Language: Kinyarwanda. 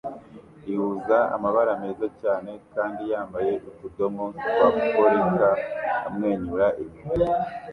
ihuza amabara meza cyane kandi yambaye utudomo twa polka amwenyura inyuma